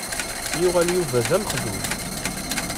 Yuɣal Yuba d amexlul.